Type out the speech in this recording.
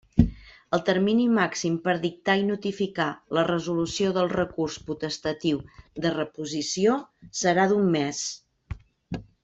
El termini màxim per dictar i notificar la resolució del recurs potestatiu de reposició serà d'un mes.